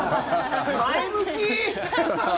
前向き！